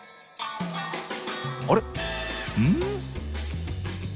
あれ？